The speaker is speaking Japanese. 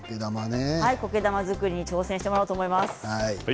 こけ玉作りに挑戦していただこうと思います。